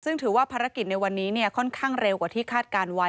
ซึ่งถือว่าภารกิจในวันนี้ค่อนข้างเร็วกว่าที่คาดการณ์ไว้